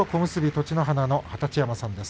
栃乃花の二十山さんです。